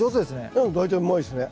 うん大体うまいですね。